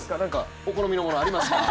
お好みのものありますか？